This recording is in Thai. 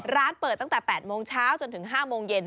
ร้านเปิดตั้งแต่๘โมงเช้าจนถึง๕โมงเย็น